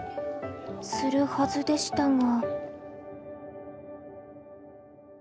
するはずでしたが。